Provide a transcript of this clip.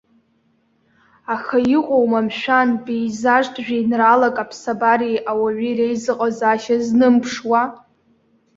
Аха, иҟоума, мшәан, пеизажтә жәеинраалак аԥсабареи ауаҩи реизыҟазаашьа знымԥшуа?!